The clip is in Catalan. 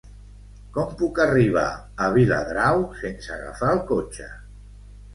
Com puc arribar a Viladrau sense agafar el cotxe?